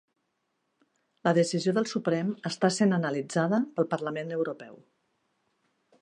La decisió del Suprem està sent analitzada pel Parlament Europeu